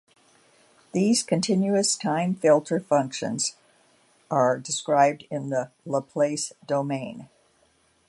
These continuous-time filter functions are described in the Laplace domain.